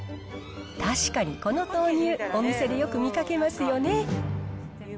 確かにこの豆乳、お店でよく見かけますよね。